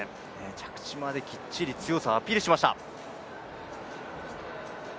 着地まできっちりアピールしました。